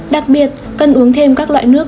đặc biệt cần uống thêm các loại nước